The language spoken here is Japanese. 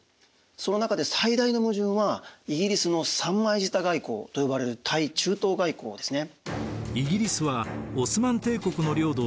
その中で最大の矛盾はイギリスの三枚舌外交と呼ばれる対中東外交ですね。